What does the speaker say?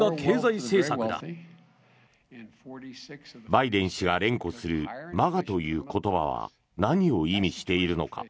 バイデン氏が連呼するＭＡＧＡという言葉は何を意味しているのか。